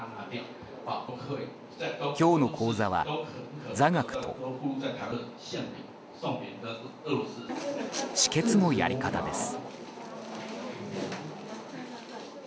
今日の講座は座学と止血のやり方です。